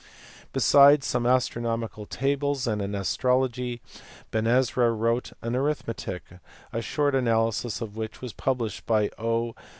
Besides some astronomical tables and an astro logy, Ben Ezra wrote an arithmetic, a short analysis of which was published by O.